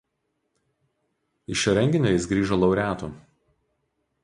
Iš šio renginio jis grįžo laureatu.